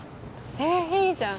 ええいいじゃん。